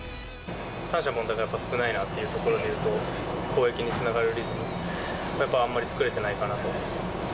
三者凡退が少ないなっていうところでいうと、攻撃につながるリズムがやっぱあんまり作れてないかなと。